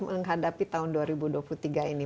menghadapi tahun dua ribu dua puluh tiga ini